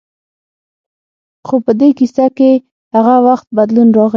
خو په دې کیسه کې هغه وخت بدلون راغی.